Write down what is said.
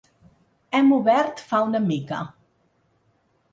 Hem obert fa una mica.